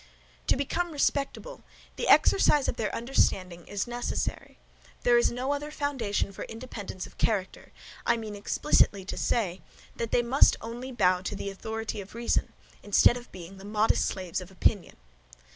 To become respectable, the exercise of their understanding is necessary, there is no other foundation for independence of character; I mean explicitly to say, that they must only bow to the authority of reason, instead of being the MODEST slaves of opinion.